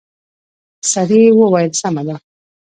سړي وويل سمه ده.